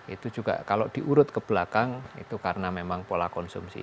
itu juga kalau diurut ke belakang itu karena memang pola konsumsi